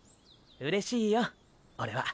うれしいよオレは。